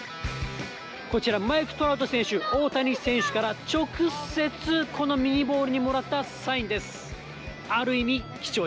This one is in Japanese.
こちら、マイク・トラウト選手、大谷選手から直接このミニボールにもらったサインです。